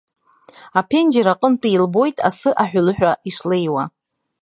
Аԥенџьыр аҟынтәи илбоит асы аҳәылыҳәа ишлеиуа.